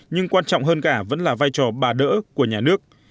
nhưng quan trọng hơn cả vẫn là vai trò bà đỡ của nhà nước